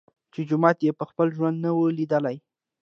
چي جومات یې په خپل ژوند نه وو لیدلی